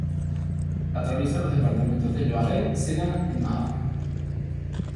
Atraviesa los departamentos de Loiret y Sena y Marne.